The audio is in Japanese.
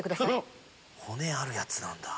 骨あるやつなんだ。